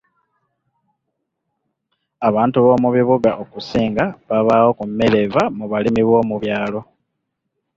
Abantu b'omu bibuga, okusinga babaawo ku mmere eva mu balimi b'omu byalo.